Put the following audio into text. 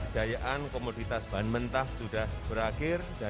bumn pembangunan pabrik lg